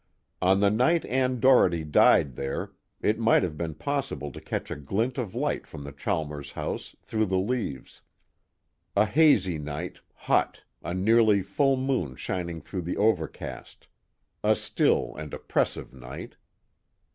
On the night Ann Doherty died there, it might have been possible to catch a glint of light from the Chalmers house, through the leaves. A hazy night, hot, a nearly full moon shining through the overcast. A still and oppressive night."